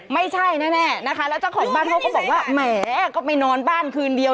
ไม่ใช่แน่นะคะแล้วเจ้าของบ้านเขาก็บอกว่าแหมก็ไปนอนบ้านคืนเดียว